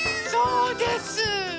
そうです。